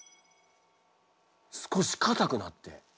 少しかたくなって。